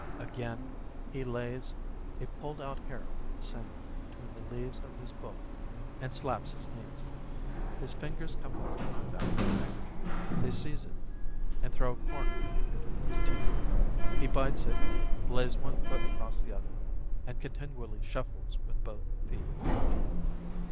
Again, he lays a pulled out hair from the same between the leaves of his book, and slaps his knees. His fingers coming into contact with the handkerchief, they seize it, and throw a corner in between his teeth; he bites it, lays one foot across the other, and continually shuffles with both feet.